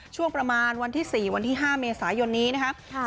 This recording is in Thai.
ช่วงประมาณวันที่๔วันที่๕เมษายนนี้นะครับ